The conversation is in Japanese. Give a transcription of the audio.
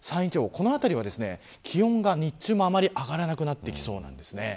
この辺りは気温が日中もあまり上がらなくなりそうです。